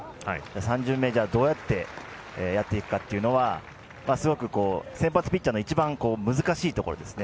３巡目、どうやってやっていくかというのはすごく先発ピッチャーの一番難しいところですね。